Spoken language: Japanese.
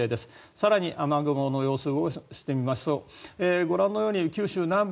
更に雨雲の様子動かしてみますとご覧のように九州南部